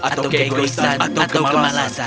atau keegoisan atau kemalasan